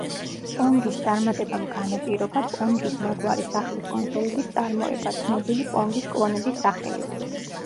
პონგის წარმატებამ განაპირობა პონგის მაგვარი სახლის კონსოლების წარმოება, ცნობილი პონგის კლონების სახელით.